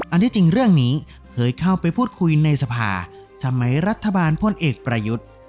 ที่จริงเรื่องนี้เคยเข้าไปพูดคุยในสภาสมัยรัฐบาลพลเอกประยุทธ์